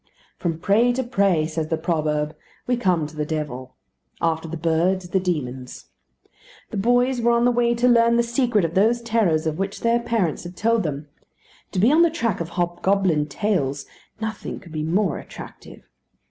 From prey to prey, says the proverb, we come to the devil. After the birds, the demons. The boys were on the way to learn the secret of those terrors of which their parents had told them. To be on the track of hobgoblin tales nothing could be more attractive.